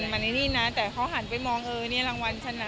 มาในนี่นะแต่เขาหันไปมองเออนี่รางวัลฉันนะ